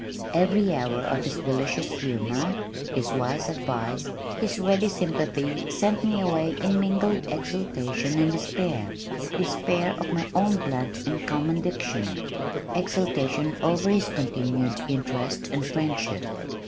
Every hour of his delicious humor, his wise advice, his ready sympathy sent me away in mingled exaltation and despair despair of my own blunt and common diction, exaltation over his continued interest and friendship.